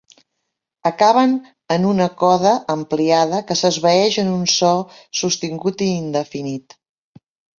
Acaben en una coda ampliada que s'esvaeix en un so sostingut i indefinit.